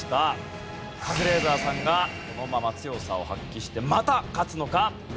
カズレーザーさんがこのまま強さを発揮してまた勝つのか？